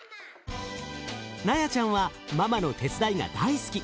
ナヤちゃんはママの手伝いが大好き。